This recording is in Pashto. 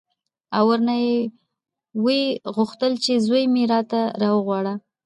او ورنه ویې غوښتل چې زوی مې راته راوغواړه.